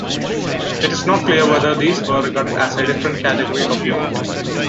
It is not clear whether these were regarded as a different category of unit.